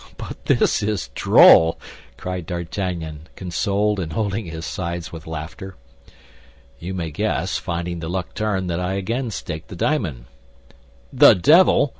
But this is droll," cried D'Artagnan, consoled, and holding his sides with laughter. "You may guess, finding the luck turned, that I again staked the diamond." "The devil!"